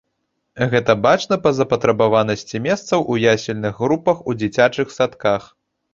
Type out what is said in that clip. Гэта бачна па запатрабаванасці месцаў у ясельных групах у дзіцячых садках.